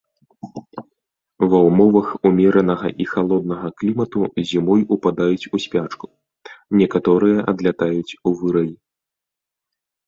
Ва ўмовах умеранага і халоднага клімату зімой упадаюць у спячку, некаторыя адлятаюць у вырай.